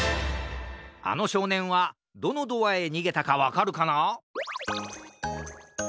あのしょうねんはどのドアへにげたかわかるかな？